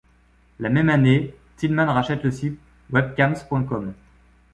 La même année, Thylmann rachète le site WebCams.com.